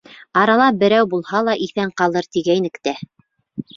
— Арала берәү булһа ла иҫән ҡалыр тигәйнек тә.